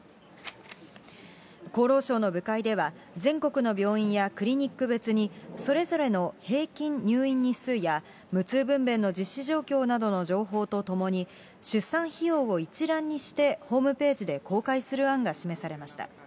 厚労省の部会では、全国の病院やクリニック別に、それぞれの平均入院日数や、無痛分べんの実施状況などの情報とともに、出産費用を一覧にしてホームページで公開する案が示されました。